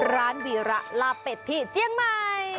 ๐๙๒๕๐๙๖๙๕๖ร้านวีระลาเป็ดที่เจียงใหม่